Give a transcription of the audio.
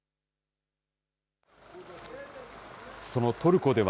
そのトルコでは、